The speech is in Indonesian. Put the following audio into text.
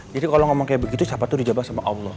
jadi kalo ngomong kayak begitu siapa itu dijabah sama allah